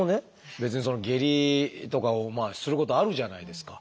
別にその下痢とかをすることあるじゃないですか。